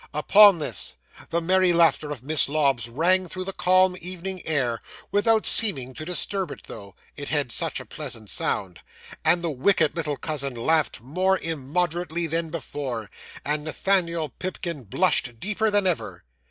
Upon this, the merry laughter of Miss Lobbs rang through the calm evening air without seeming to disturb it, though; it had such a pleasant sound and the wicked little cousin laughed more immoderately than before, and Nathaniel Pipkin blushed deeper than ever.